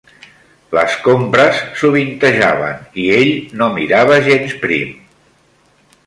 Les compres sovintejaven i ell no mirava gens prim